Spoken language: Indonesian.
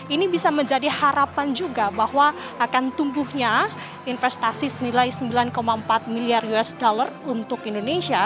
ini bisa menjadi harapan juga bahwa akan tumbuhnya investasi senilai sembilan empat miliar usd untuk indonesia